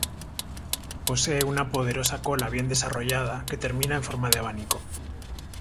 Posee una poderosa cola bien desarrollada que termina en forma de abanico.